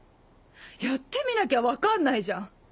やってみなきゃ分かんないじゃん。